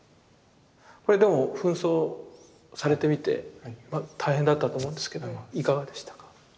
これでも扮装されてみて大変だったと思うんですけどいかがでしたか？